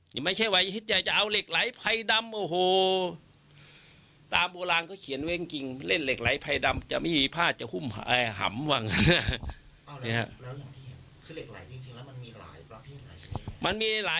นี่ไม่ใช่วัยฮิตใหญ่จะเอาเหล็กไหลไพดำโอ้โหตามโบราณเขาเขียนไว้จริงเล่นเหล็กไหลภัยดำจะไม่มีผ้าจะหุ้มหำว่างั้น